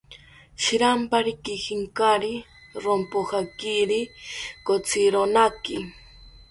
Shirampari kijinkari, rompojakiro kotzironaki